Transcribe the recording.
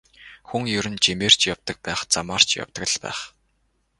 Хүн ер нь жимээр ч явдаг байх, замаар ч явдаг л байх.